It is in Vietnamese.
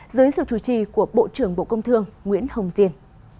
dưới sự chủ trì của bộ trưởng bộ công thương nguyễn hồng diên